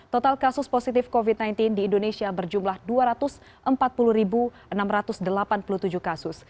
total kasus positif covid sembilan belas di indonesia berjumlah dua ratus empat puluh enam ratus delapan puluh tujuh kasus